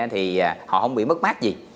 thì họ không bị mất mát gì